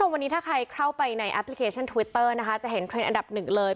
วันนี้ถ้าใครเข้าไปในแอปพลิเคชันทวิตเตอร์นะคะจะเห็นเทรนดอันดับหนึ่งเลย